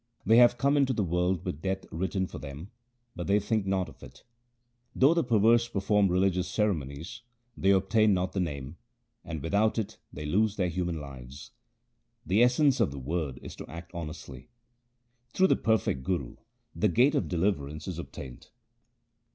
They have come into the world with death written for them, but they think not of it. Though the perverse perform religious ceremonies, they obtain not the Name, and without it they lose their human lives. The essence of the Word is to act honestly. Through the perfect Guru the gate of deliverance is obtained.